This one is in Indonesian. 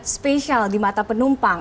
special di mata penumpang